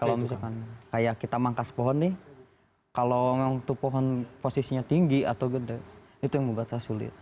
kalau misalkan kayak kita mangkas pohon nih kalau memang itu pohon posisinya tinggi atau gede itu yang membuat saya sulit